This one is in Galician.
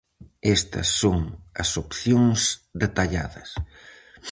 Estas son as opcións detalladas: